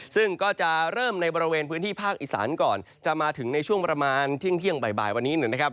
ซึ่งก็จะเริ่มในบริเวณพื้นที่ภาคอีสานก่อนจะมาถึงในช่วงประมาณเที่ยงบ่ายวันนี้นะครับ